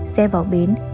xe vào bến